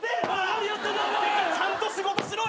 ちゃんと仕事しろよ！